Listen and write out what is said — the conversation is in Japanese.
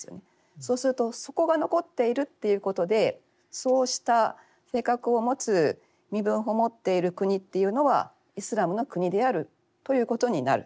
そうするとそこが残っているっていうことでそうした性格を持つ身分法を持っている国っていうのはイスラムの国であるということになる。